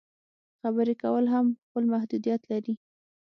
خبرې کول هم خپل محدودیت لري.